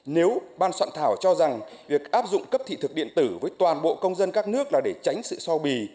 nếu ban soạn thảo cho rằng việc áp dụng cấp thị thực điện tử với toàn bộ công dân các nước là để tránh sự so bì